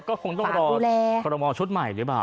ก็คงต้องรอคอรมอลชุดใหม่หรือเปล่า